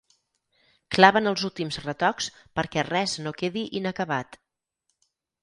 Claven els últims retocs perquè res no quedi inacabat.